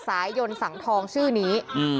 สายยนสังทองชื่อนี้